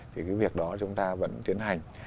thì cái việc đó chúng ta vẫn tiến hành